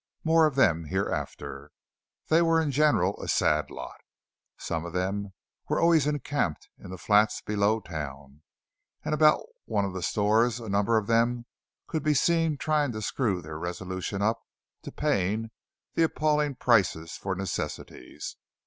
More of them hereafter; they were in general a sad lot. Some of them were always encamped in the flats below town; and about one of the stores a number of them could be seen trying to screw their resolution up to paying the appalling prices for necessities.